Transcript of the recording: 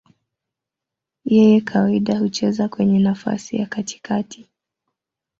Yeye kawaida hucheza kwenye nafasi ya katikati.